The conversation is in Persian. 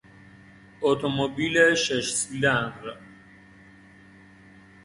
اتومبیل شش سیلندر